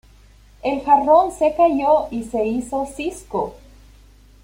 El jarrón se cayó y se hizo cisco